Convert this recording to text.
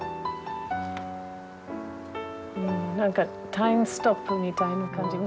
何かタイムストップみたいな感じ。